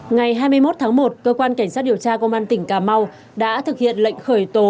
ngày hai mươi một tháng một cơ quan cảnh sát điều tra công an tỉnh cà mau đã thực hiện lệnh khởi tố